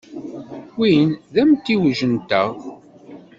Win d amtiweg-nteɣ.